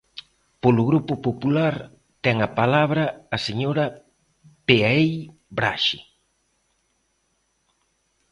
Polo Grupo Popular, ten a palabra a señora Peai Braxe.